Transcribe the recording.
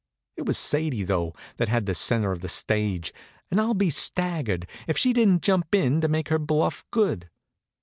It was Sadie, though, that had the centre of the stage, and I'll be staggered if she didn't jump in to make her bluff good.